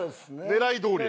狙いどおり。